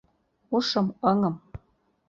Ушым-ыҥым